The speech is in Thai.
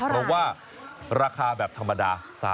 เพราะว่าราคาแบบธรรมดา